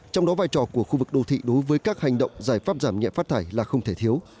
trong đó vai trò của khu vực đô thị đối với các hành động giải pháp giảm nhẹ phát thải là không thể thiếu